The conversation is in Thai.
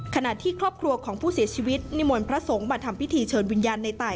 ขณะที่ครอบครัวของผู้เสียชีวิตนิมนต์พระสงฆ์มาทำพิธีเชิญวิญญาณในตาย